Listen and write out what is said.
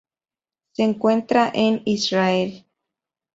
Se encuentra en Israel.